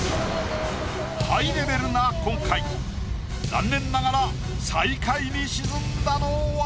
ハイレベルな今回残念ながら最下位に沈んだのは。